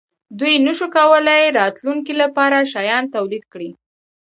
دوی نشوای کولای راتلونکې لپاره شیان تولید کړي.